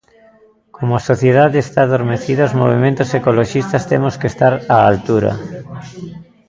Como a sociedade está adormecida, os movementos ecoloxistas temos que estar á altura.